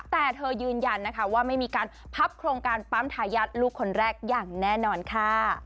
แต่เธอยืนยันนะคะว่าไม่มีการพับโครงการปั๊มทายาทลูกคนแรกอย่างแน่นอนค่ะ